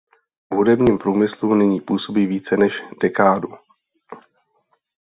V hudebním průmyslu nyní působí více než dekádu.